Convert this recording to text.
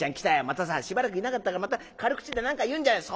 またさしばらくいなかったからまた軽口で何か言うんじゃない？」。